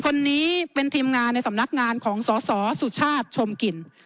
คนนี้เป็นทีมงานในสำนักงานของสสสุชาติชมกลิ่น